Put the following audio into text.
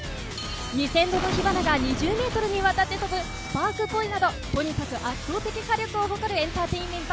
２０００個の火花が２０メートルにわたって飛ぶ、スパークポイなど、とにかく圧倒的火力を誇るエンターテインメント。